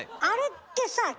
あれってさ